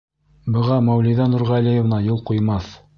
Быға Мәүлиҙә Нурғәлиевна юл ҡуймаҫ...